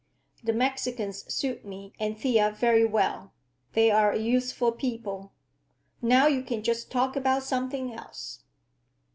The Mexicans suit me and Thea very well. They are a useful people. Now you can just talk about something else."